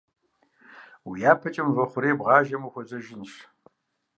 Уи япэкӀэ мывэ хъурей бгъажэмэ ухуэзэжынщ.